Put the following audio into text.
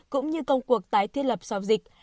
cũng như công cuộc tái thiết lập sau dịch